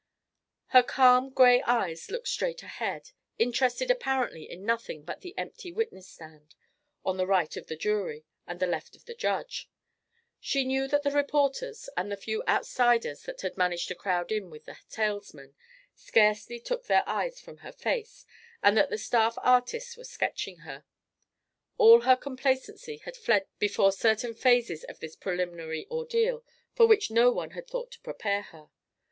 Her calm grey eyes looked straight ahead, interested apparently in nothing but the empty witness stand, on the right of the jury and the left of the judge. She knew that the reporters, and the few outsiders that had managed to crowd in with the talesmen, scarcely took their eyes from her face, and that the staff artists were sketching her. All her complacency had fled before certain phases of this preliminary ordeal for which no one had thought to prepare her.